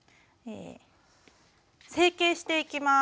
成形していきます。